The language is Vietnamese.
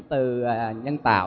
từ nhân tạo